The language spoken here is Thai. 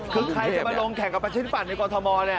คือใครจะมาลงแข่งกับประชาธิปัตย์ในกรทม